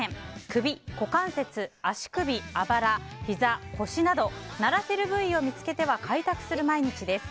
首、股関節、足首、あばらひざ、腰など鳴らせる部位を見つけては開拓する毎日です。